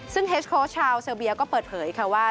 ซึ่งเฮสโค้ชชาวเซอร์เบียก็เปิดเผยค่ะว่า